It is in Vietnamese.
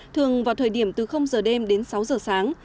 thường vào thời điểm từ giờ đêm đến sáu giờ sáng